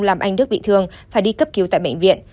làm anh đức bị thương phải đi cấp cứu tại bệnh viện